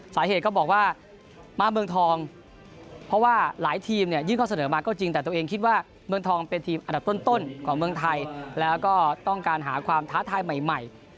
เขาบอกว่ามาเมืองทองเพราะว่าหลายทีมเนี่ยยื่นข้อเสนอมาก็จริงแต่ตัวเองคิดว่าเมืองทองเป็นทีมอันดับต้นของเมืองไทยแล้วก็ต้องการหาความท้าทายใหม่